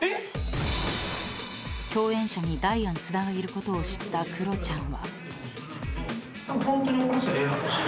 ［共演者にダイアン津田がいることを知ったクロちゃんは］